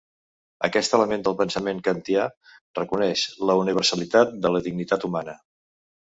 Aquest element del pensament kantià reconeix la universalitat de la dignitat humana.